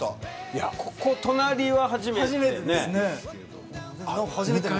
いや、ここ隣は初めてですね。